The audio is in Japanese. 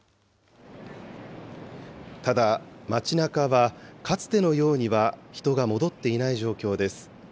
ただ、街なかはかつてのようには人が戻っていない状況です。